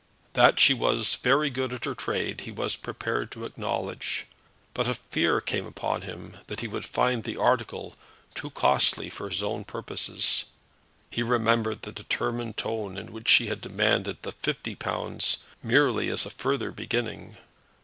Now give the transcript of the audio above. That she was very good at her trade he was prepared to acknowledge; but a fear came upon him that he would find the article too costly for his own purposes. He remembered the determined tone in which she had demanded the fifty pounds merely as a further beginning.